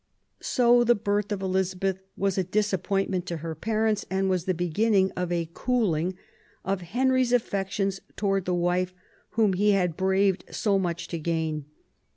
So the birth of Elizabeth was a disappointment to her parents, and was the beginning of a cooling of Henry's affections towards the wife whom he had braved so much to gain.